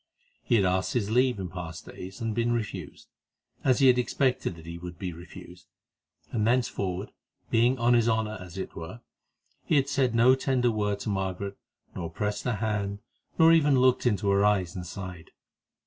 He had asked his leave in past days, and been refused, as he had expected that he would be refused, and thenceforward, being on his honour as it were, he had said no tender word to Margaret, nor pressed her hand, nor even looked into her eyes and sighed.